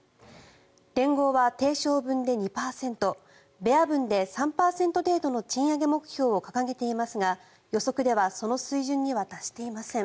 連合は定昇分で２％ベア分で３％程度の賃上げ目標を掲げていますが予測ではその水準には達していません。